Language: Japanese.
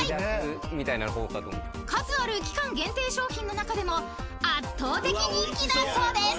［数ある期間限定商品の中でも圧倒的人気だそうです］